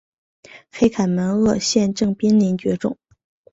黑凯门鳄现正濒临绝种。